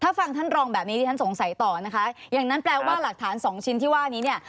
ถ้าฟังท่านรองแบบนี้ที่ฉันสงสัยต่อนะคะอย่างนั้นแปลว่าหลักฐานสองชิ้นที่ว่านี้เนี่ย